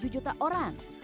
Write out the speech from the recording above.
sepuluh tujuh juta orang